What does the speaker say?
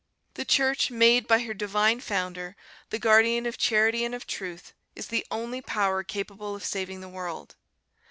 "The Church, made by her divine Founder the guardian of charity and of truth, is the only power capable of saving the world.